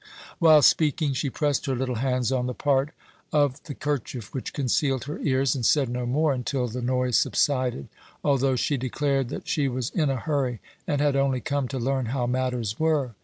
While speaking, she pressed her little hands on the part of the kerchief which concealed her ears, and said no more until the noise subsided, although she declared that she was in a hurry, and had only come to learn how matters were.